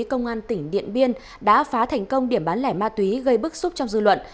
công an tỉnh điện biên đã phá thành công điểm bán lẻ ma túy gây bức xúc trong dư luận